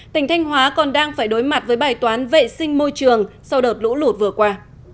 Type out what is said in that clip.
tỉnh thanh hóa còn đang phải đối mặt với bài toán vệ sinh môi trường sau đợt lũ lụt vừa qua